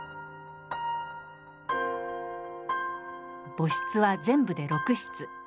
墓室は全部で６室。